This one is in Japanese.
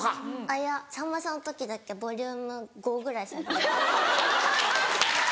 あっいやさんまさんの時だけボリューム５ぐらい下げます。